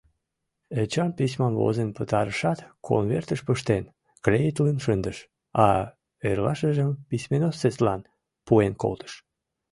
Эчан письмам возен пытарышат, конвертыш пыштен, клеитлен шындыш, а эрлашыжым письмоносецлан пуэн колтыш.